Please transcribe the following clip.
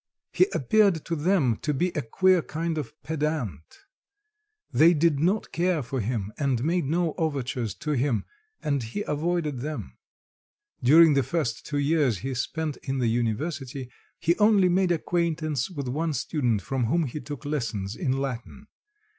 He appeared to them to be a queer kind of pedant; they did not care for him, and made no overtures to him, and he avoided them. During the first two years he spent in the university, he only made acquaintance with one student, from whom he took lessons in Latin.